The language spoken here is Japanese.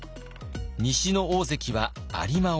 西の大関は有馬温泉。